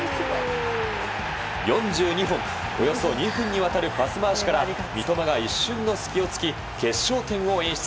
４２本、およそ２分にわたるパス回しから三笘が一瞬の隙を突き決勝点を演出。